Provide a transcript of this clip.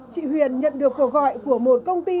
chị huyền nhận được cuộc gọi của một công ty